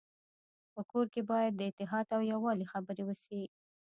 په کور کي باید د اتحاد او يووالي خبري وسي.